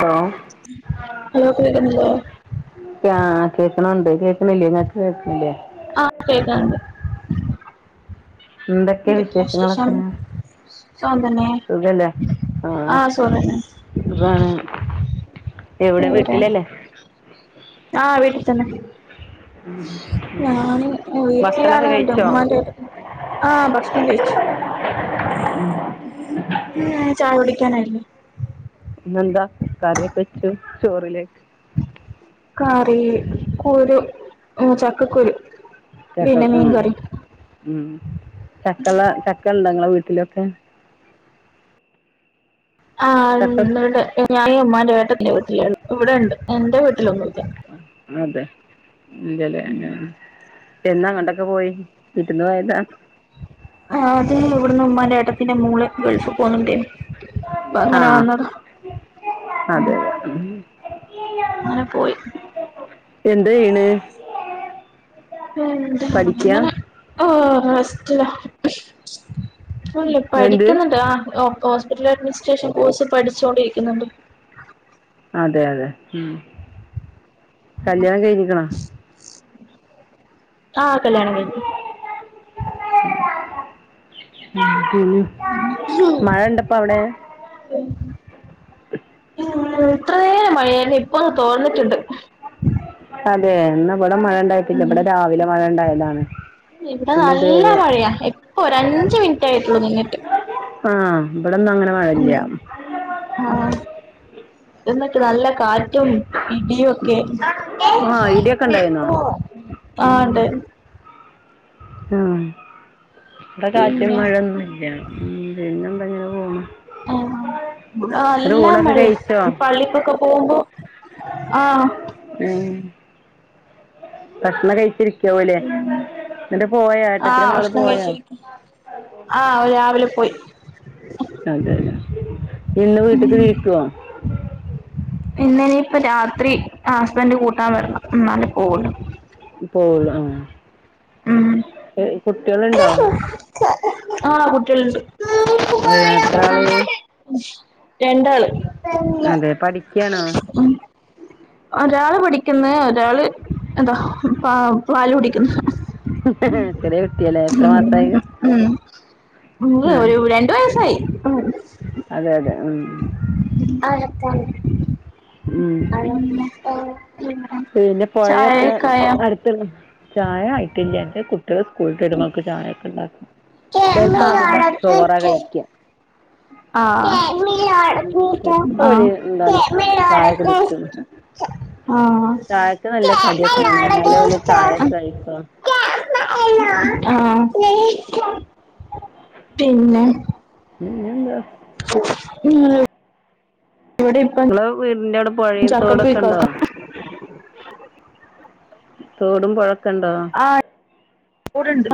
Hello hello കേക്കുന്നുണ്ടോ കേൾക്കണുണ്ട് കേൾക്കണില്ലേ ഇങ്ങക്ക് കേൾക്കണില്ലേ ആ കേക്കണണ്ട് എന്തൊക്കെ വിശേഷങ്ങളൊക്കെ സുഖം തന്നെ സുഖല്ലേ ആ സുഖം തന്നെ സുഖാണ് എവിടെ വേറെ വീട്ടിലല്ലേ ആ വീട്ടിൽ തന്നെ ഞാന് ഭക്ഷണൊക്കെ വീട്ടിലാണ് എന്റെ കഴിച്ചോ ഉമ്മാന്റടുത്ത് ആ ഭക്ഷണം കഴിച്ചു ഉം ഉം ചായകുടി ക്കനായിരുന്നു. ഇന്നെന്താ കറിയൊക്കെ വച്ചു. ചോറിലേക്ക് കറി കുരു മ ചക്കക്കുരു ചക്ക പിന്നെ ആ മീൻ കറി ഉം ചക്കള ചക്ക ഉണ്ടൊ ഇങ്ങടെ വീ ട്ടിലൊക്കെ [unintelligible] ചക്ക എന്റെ വീട്ടില ഇവിടെ ഒണ്ട് എന്റെ വീട്ടിലൊണ്ട് ആ അതെ ഇല്ലല്ലേ അങ്ങനാണ് എന്നാ അങ്ങണ്ടൊക്കെ പോയി ഇരുന്ന് പോയതാ ആ അതെ ഇവിടുന്ന് ഉമ്മാന്റെ ഏട്ടത്തിന്റെ മോള് ഗൾഫിൽ പോന്നുണ്ടെ ആ അതെതെ ഉം അങ്ങനെ പോയി എന്തയ്യിണ് ഉം അങ്ങനെ ആ [unintelligible] അല്ല എന്ത് പഠിക്കുന്നുണ്ട് ആ ഓ ഹോസ്പിറ്റൽ അഡ്മിനിസ്ട്രേഷൻ കോഴ്സ് പഠിച്ചോണ്ടിരിക്കുന്നുണ്ട് അതെ അതെ ഉം കല്യാണം കഴഞ്ഞിക്ക്ണോ ആ കല്യാണം കഴിഞ്ഞു [inaudible] ഉം മഴ ണ്ടപ്പവടെ ഇത്ര നേരം മഴയാര്ന്നു ഇപ്പൊന്ന് തോർന്ന്ണ്ട് അതെ ന്നപ് ഉം ഇവിടെ പിന്നെ നല്ല ഇതുവരെ മഴയാ ഇപ്പൊ ഒരഞ്ചു മിനിറ്റ് ആയിട്ടുള്ളൂ നി ആ ഇവിടെന്നൊങ്ങനെ ഉം മഴല്ല്യ ആ എന്നിട്ട് നല്ല കാറ്റും ഇടിയൊക്കെ ആഹ് ഇടിയൊക്കെ ഉണ്ടായിരുന്നോ ആ ണ്ട് ആ ഇവ്ടെ കാറ്റും പിന്നെ മഴൊന്നുംല്ല ഉം പിന്നും പ്പ ങ്ങനെ പോണ് ആ ആ ഇവ്ടെ നല്ല ഊണൊക്കെ മഴയാ കഴിച്ചോ പള്ളിക്കൊക്കെ പോകുമ്പോ ആ ഉം ഭക്ഷണം കഴിച്ച് ഇര് ആ ഏട്ടത്തിന്റെ മകള് ഭഷണം പോയോ കഴിച്ച് ആ അവര് രാവിലെ പോയ് അതെലെ ഇന്ന് വീട്ട്ക്ക് തിരിക്കോ ഇന്നെനിപ്പ രാത്രി ഹസ്ബൻഡ് കൂട്ടാൻ വരണം ഇന്നാലേ പോവുള്ളു പോവുള്ളു ആ ഉം കുട്ടികള്ണ്ടോ ആ‌ കുട്ടികള്ണ്ട് ഏഹ് എത്ര ആള് രണ്ടാള് അതെ പഠിയ്ക്കയാണോ ഒരാള് പഠിക്കുന്ന് ഒരാള് എന്താ പ പാല് കുടിക്കുന്നു ചെറിയ കുട്ടിയാല്ലേ എത്ര മാസായി മ് ആ ഒരു രണ്ട് വയസായി അതെ അതെ ഉം അകത്താണ് ഉം പിന്നെ പുഴയൊക്കെ ചായക്കായോ അടുത്തുണ്ട് ചായ ആയിട്ടില്ല കുട്ടികള് സ്കൂള്ട്ട് വരുമ്പോഴേക്കും ചായൊക്കെ ഉണ്ടാക്കും ചെറുപ്പാവര് ചോറാ കഴിക്ക ചെലപ്പോ അവര് ആഹ് എന്താണ് ചായ കുടിക്കും ആഹ് ചായക്ക് നല്ല കടിയൊക്കെ വേണം എന്നാലേ ഓല് ആഹ് ചായയൊക്കെ കഴിക്കുള്ളൂ ആഹ് പിന്നെ പിന്നെ എന്താ ഉം നിങ്ങള് വീടിന്റെ അവിടെ പുഴയും തോടൊക്കെ ഇണ്ടോ ചക്കപ്പുഴുക്കൊക്കെ തോടും പുഴ കണ്ടോ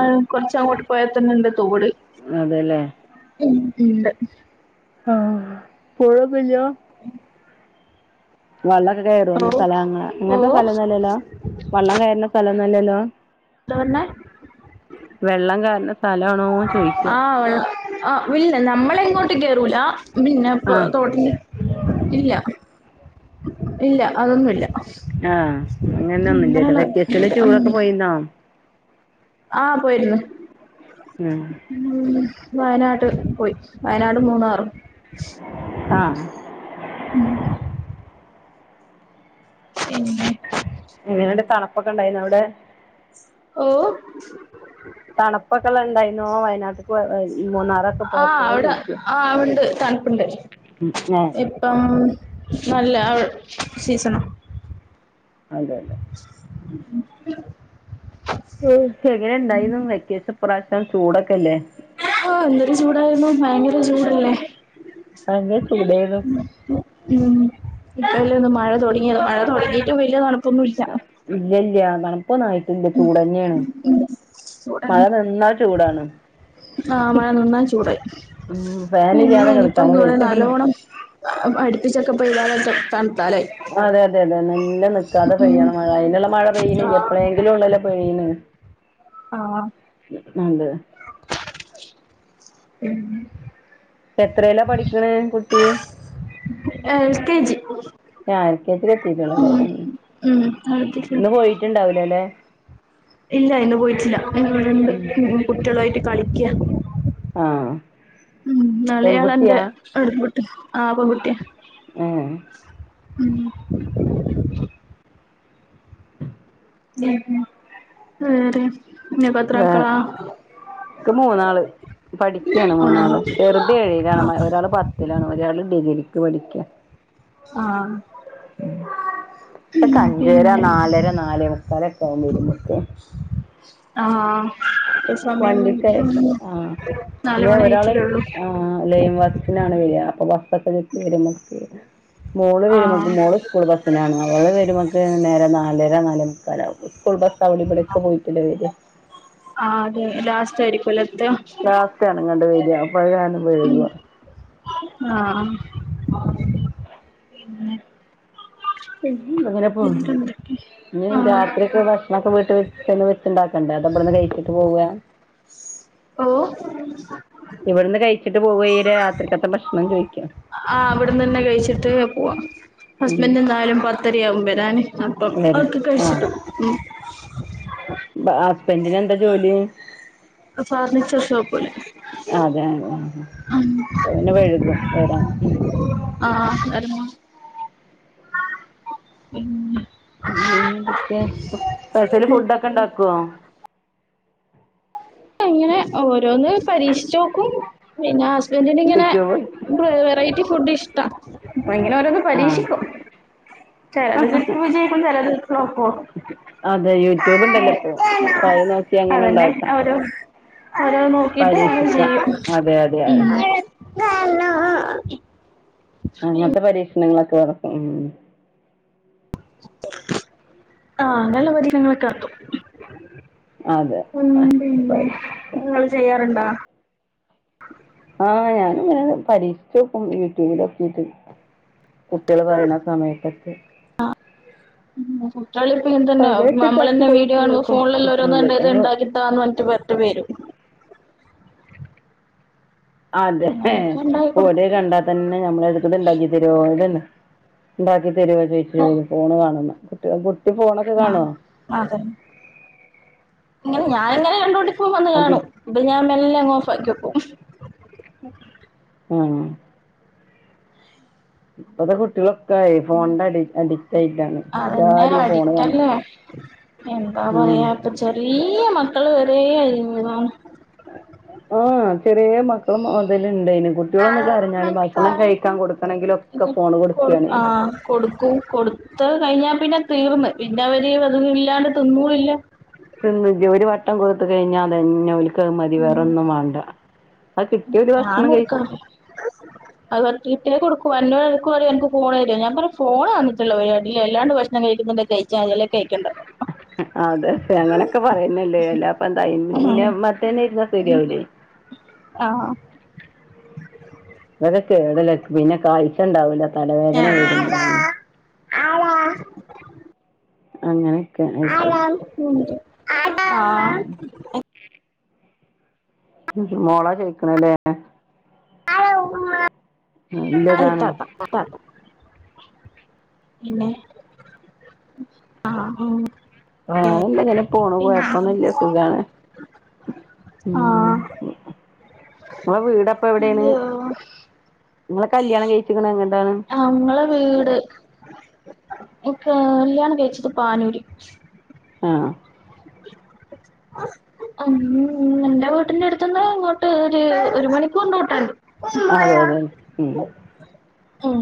അ കൊറച്ചങ്ങോട്ട- പോയയാൽ ത [unintelligible] അതെല്ലേ ഉം ഉണ്ട് ആഹ്‌ പൊഴ ല്ലോ [unintelligible] ഉം [unintelligible] വെള്ളമക്ക കയറും സ്ഥല ഓ അങ്ങനത്തെ എന്താ സ്ഥലംന്നല്ലല്ലോ വള്ളം കയറുന്ന സ്ഥല- നല്ലല്ലോ പറഞ്ഞേ [unintelligible] വെള്ളം കയറണ- സ്ഥലമാണോന്ന് ചോയിക്ക ആ വെള്ള ആ വിൽ നമ്മളെ ങ്ങോട്ട് കേറൂല പിന്നെപ്പ ആഹ് തോട്ങ്ങി ഇല്ല ഇല്ല അതൊന്നുല്ല ആഹ് അങ്ങനെ ഒന്നും ഇല്ലല്ലോ അങ്ങനെയുള്ള വെക്കേഷല് ടൂർറൊക്കെ പോയിന്നൊ ആഹ് പോയിര്ന്നു ഉം വയനാട് പോയി വയനാടും മൂന്നാറും ആഹ് ഉം എങ്ങനെ ഉണ്ട് തണുപ്പ് തണുപ്പ്പ്പൊക്കെ ണ്ടായിനോ അവ്ടെ ഓ [unintelligible] നോ വയനാട് ആ അവിടെ ആ ഉണ്ട് തൺപ്പ്ണ്ട് ഏഹ് ഇപ്പം നല്ല ആ സീസണ് അതെ അതെ [unintelligible] എങ്ങനെ ഉണ്ടായിനു വെക്കേഷൻ പ്രാവ എന്താ ചൂടൊക്കല്ലേ ആ എന്തൊരു ചൂടായിരുന്നു ഭയങ്കര ചൂടല്ലേ [unintelligible] ചൂടെയ്നു ഉം ഇപ്പല്ലേ ഒന്ന് മഴ തൊട്ങ്ങിയത് മഴ തൊട്ങ്ങിട്ടും വെല്ല്യ തണ് ല്ല ഇല്ല്യ ല്ല്യ [unintelligible] പ്പൊ നായിട്ടില്ല ചൂടെന്നെയെണ് ഉം മഴ ചൂടന്നെ ന്ന്ന്ന ചൂടാണ് ആ മഴ നിന്നാൽ ചൂടായി ഉം ഫനില്ലാതെ കെടക്കാ [unintelligible] അ അട്പ്പിച്ചൊക്ക പൈതാലൊക്ക തണ് അതെ അതെ അതെ നന് നല്ല നിക്കാതെ ഉം. പെയ്യണ മഴ അയ്ന്ള്ള മഴ ആ പെയ്യ്ണില്ലെ എപ്പളേങ്കിലു ള്ളല്ലോ പെയ്യിണ് ആഹ് നണ്ട് [inaudible] ഉം എത്രേലാ പഠിക്കണ് കുട്ടി എൽ കെ ജി ഞാ എൽ കെ ജിൽ എത്തിട്ടെള്ളുലെ മ് മ് അടുപ്പിച്ച് ന്ന് പോയിട്ടുണ്ടാവൂല അല്ലെ ഇല്ല ഇന്ന് പോയിട്ടില്ല ന്ന് വ്ട ഉം ണ്ട് കുട്ട്യളുആയ്ട്ട് [inaudible] കളിക്ക്യ. ആ [unintelligible] ആഹാ പെൺകുട്ടിയ. ഏ ഉം ഉം ഉം അതാരാ? ക്ക് മൂന്നാള് പഠിക്കാണ് ആ മൂന്നാള്, ചെറുത് ഏഴിലാണ് മ ഒരാള് പത്തിലാണ് ഒരാള് ഡിഗ്രി. ക്ക്‌ പഠിക്ക്യ ആ പ്പക്കെ ഉം, അഞ്ചര പിന്നെ നാലര നാലേമുക്കാലൊക്കെ ആകും വരുമ്പോക്കെ. ആ സമയം വണ്ടിക്ക് ഉം, ആ നാല് പിന്നെ മണി ഒരാള് ആയിട്ടില്ലേള്ളൂ ആ ലൈംവസിനാണ് വരാ അപ്പം ബ [unintelligible] മോള് വരുമക്ക് ആഹ് മോള് സ്കൂൾ ബസ്സിനാണ് അവള് വരുമക്ക് നേരം നാല് നാലര നാലേ മുക്കാലാവും, സ്കൂൾ ബസ് അവിടെവിടൊക്കെ പോയിട്ടല്ലേ വെര്യ. ആ അതെ ലാസ്റ്റ് ആയിരിക്കു ലേ ലാസ്റ്റാണ് ഇങ്ങാട്ട് വര്യ അപ്പ അത് കാരണം വൈകും ആ പിന്നെ? [unintelligible] [unintelligible] വേറെന്തൊക്കെ ഇഞ്ഞ് ആഹ് രാത്രിയൊക്കെ ഭക്ഷണൊക്കെ വീട്ട് ചെന്ന് വെച്ചിണ്ടാക്കണ്ടേ അതോ ഇബടെന്ന് കഴിച്ചിട്ട് പോവാ ഓ? ഇവിടുന്ന് കഴിച്ചിട്ട് ട്ട് പോ വെയ്യാ ആ അവിടന്നന്നെ കഴിച്ചിട്ട് പോവാ, ഉം ഹസ്ബൻഡ് എന്തായാലും [unintelligible] ത്രിയാവും വരാന്. അപ്പം വരാ അതൊക്കെ ആഹ് കഴിച്ചിട്ടും. ബെന്റിന് എന്താ ജോലി? ഫർണിച്ചർഷോപ്പ്. അതെ അതെ അപ്പൊ പിന്നെ വഴുകും വരാൻ ഉം ഉം പിന്നെന്തൊക്കെ പെസല് ഫുഡൊക്കെണ്ടാ ക്കോ അങ്ങനെ ഓരോന്ന് പരീക്ഷിചോക്കും [unintelligible] ബെന്റിനിങ്ങനെ ഇങ്ങനെ യൂട്യൂബ് ബ്രെ വെറൈറ്റി ഫുഡ്‌ ഫുഡിഷ് ട്ടാ അങ്ങനെ ഓരോന്ന് ആഹ് പരീക്ഷിക്കും ചെലത് കിട്ടും വിജയിക്കും ചിലത് തോക്കൊ അതെ യൂട്യൂബ് ഉണ്ടല്ലോ ഇപ്പൊ അപ്പൊ അത് നോക്കി അങ്ങനെ അതന്നെ ഉണ്ടാക്കാം അവര് ഓരോ നോകീട്ട് അങ്ങനെ പരീക്ഷിക്കാം ചെയ്യും അതെ അതെ അതെ ഉം അങ്ങൻത്തെ പരീഷ് പ്രശ്നങ്ങളൊക്കെ ഉം ആഹ് അങ്ങന്ള്ള പരീക്ഷണങ്ങളൊക്കെ നടത്തും അതെ ഉം പിന്നേ പരീക്ഷിക്കാം ങ്ങള് ചെയ്യാറുണ്ട് ആഹ് ആഹ് ഞാനുങ്ങനെ പരീക്ഷിച്ചോക്കും യൂട്യൂബിലോക്കീട്ട് കുട്ടീള് പറീണ സമയത്തൊക്കെ [unintelligible] ക്കളിപ്പ ഇതുന്നെയാ അതൊക്കെതാക്കി നമ്മളന്നെ വീഡിയോ കാണുമ്പോ കൊടുക്കുവായിരിക്കും ഫോണിലെ ല്ലാ ഓരോന്ന് കുട്ടികള് കണ്ട് ഇത് അത് ഇണ്ടാക്കിതാന്ന് പറഞ്ഞിട്ട് വരും അതേ ഹേ അങ്ങനെയൊക്കെ ഉണ്ടാക്കി ഓല് കൊടുക്കും കണ്ടാ തന്നെ ഞമ്മളടുത്ത് ഇത്ണ്ടാക്കി തരോ ഇത്ണ്ടാ ണ്ടാക്കി തെരുവോ ചോയ്ച്ചു ഫോണ് വേണംന്ന് കുട്യാൾകു ഇപ്പ ഫോണൊക്കെ കാണോ അതെ ഇങ്ങനെ ഞാനിങ്ങനെ കണ്ട് പുടി ഇപ്പം വന്ന് കാണും [unintelligible] ഞാൻ മെല്ലെ അങ് ഓഫാക്കി വെക്കും ഉം ഉം ഇപ്പത്തെ കുട്ട്യോളൊ ക്കേ ഫോണിന്റെ അടി അടിക്റ്റ് ആയിട്ടാണ് അതന്നെ എല്ലാരും ഈ ഫോണ് അഡിക്റ്റ് കാണാ അല്ലേ എന്താ ഉം പറയാ ഇപ്പോ ചെറീയ മക്ക ക്കള് വരേ [unintelligible] ആഹ് ചെറിയേ മക്കള് മൊതല് [unintelligible] കുട്ടികളൊന്ന് കരഞ്ഞാലും ഭക്ഷണം കഴിക്കാൻ കൊടുക്കണങ്കിലും ഒക്കെ ഫോണ് കൊടുക്കാണ്. ത്ത് കഴിഞ്ഞാ പിന്നെ തീർന്ന് പിന്ന അവര് അതൊന്നില്ലാണ്ട് തിന്നൂല്ലാ [unintelligible] ഒരു വട്ടം കൊടുത്തു കഴിഞ്ഞാ അതന്നെ ഓല് ക്കത് മതി വേറൊന്നും വേണ്ട. ഞാൻ കൊടുക്കാ അത് തട്ടീട്ടേ കൊടുക്കു. എന്നോട് എടക്ക് പറയും എൻക്ക്‌ ഫോൺ തരോ ഞാൻ പറയും ഫോൺ തന്നിട്ടുള്ള ഒരു [unintelligible] അല്ലാണ്ട് ഭക്ഷണം കഴിക്കിന്നിണ്ടേൽ കഴിച്ചാ മതി അല്ലേ കഴി ആതെ [unintelligible] അങ്ങനൊക്കെ പറയെന്നല്ലേ അല്ലാപ്പെന്താ ആഹ് [unintelligible] സരിയാവൂലേ. ആ അതൊക്കെ കേടല്ലേ ക് പിന്നെ കാഴ്ച്ച ഇണ്ടാവൂല. തലവേദന വരും അങ്ങനെ അങ്ങനെ [unintelligible] മോള ചോയ്ക്ക്ണ് ലേ ആഹ് നല്ലതാണ് [unintelligible] പിന്നെ ആ ആ വേറെന്താ ഇങ്ങെനെ പോണൂ കൊയ്പൊന്നുല്ല സുഖാണ് ഉം ആഹ് ങ്ങളെ വീടപ്പെവിടേണ് അയ്യോ ങ്ങളെ കല്ല്യാണം കെയ്ച്ച്ക്ക്ണെങ്ങട്ടാണ് ആ ങ്‌ മ്മളെ വീട് കാല്ല്യാണം കഴിച്ചത് പാനൂര് ആ അം ന്റെ വീട്ടിന്റട്ത്ത്ന്ന് ഇങ്ങോട്ട് ഒരു ഒരു മണിക്കൂർ ഓട്ടോണ്ട് അതെയതെ ഉം ഉം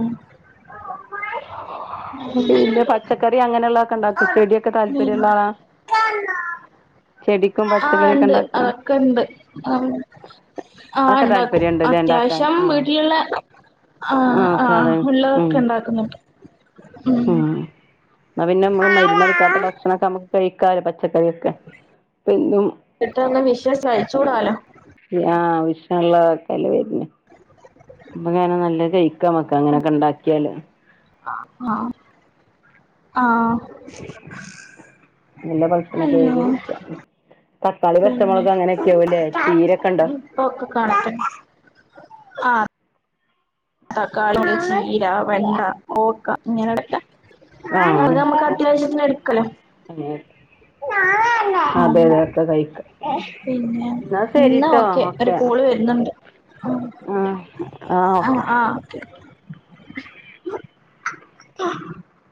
പിന്നെ പച്ചക്കറി അങ്ങനള്ള ക്കണ്ടാക്കൊ ചെടിയൊക്കെ പിന്നെ താല്പര്യള്ളാളാ ചെടി ആ ണ്ട് അതൊക്കെ ണ്ട് ആ ആ അതൊക്കെ ണ്ടാക്കും താല്പര്യം ഉണ്ടല്ലേ ഉണ്ടാക്കാൻ അത്യാവശ്യം ആഹ് വീട്ടില്ള്ളെ ആ ആഹ് ആ സാധനം ഉം ള്ളതൊക്കെ ണ്ടാക്കുന്നു ഉം ന്ന പിന്നെ മ്മള് മര്ന്നടിക്കാത്ത ഇണ്ടാക്കുന്നുണ്ട് ഭക്ഷണൊക്കമ്മ കഴിക്കാലൊ. പച് ച്ചക്കറിയൊക്കെ എന്നും പെട്ടെന്ന് വിഷസ് അയച്ചുകൂടാലോ ഇ ആ ശാല്ലാ [unintelligible] [unintelligible] ക്കെ മ്മക്ക അങ്ങനൊക്കെ ണ്ടാക്കിയാല് അ ഹാ ആ നല്ല ഭക്ഷണെക്കെ അയ്യോ [unintelligible] തക്കാളി പച്ചമൊളക് അങ്ങനൊക്കെവുല്ലേ ചീരേക്കെണ്ടോ പ്പൊക്കെ കണക്റ്റൻ ആ തക്കാളി ചീരാ വെണ്ട കൂർക്ക ഇങ്ങനോടൊക്കെ അത് ആഹ് നമ്മക്ക് അത്യാവശ്യത്തിന് എടുക്കല്ലോ അങ്ങനെ അതെ അതെ ഒക്കെ കഴിക്കാം പിന്നെ എന്നാ ഇന്നാ ശരിട്ടോ ഓക്കെ ഒരു കോള് വരുന്നുണ്ട് ആഹ് ആഹ് ആ ഓക്കെ ആ ഓക്കെ